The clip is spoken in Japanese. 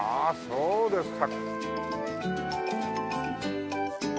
そうですか。